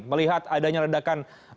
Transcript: melihat adanya ledakan tersebut